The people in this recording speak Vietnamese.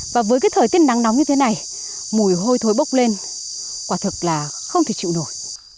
và với cái thời tiết nắng nóng như thế này mùi hôi thối bốc lên quả thực là không thể chịu nổi